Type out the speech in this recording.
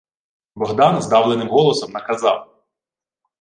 Богдан здавленим горлом наказав: